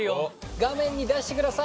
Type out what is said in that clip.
画面に出してください